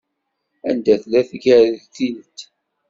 Anda tella tgertilt?